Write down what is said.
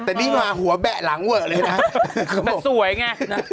แต่นี่มาหัวแบะหลังเวอะเลยนะแต่สวยไงนะ